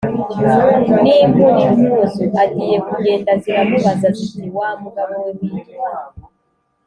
n' impu n'impuzu. agiye kugenda ziramubaza ziti: "wa mugabo we witwa